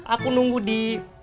aku nunggu di